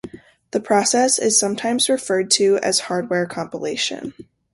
The process is sometimes referred to as hardware compilation.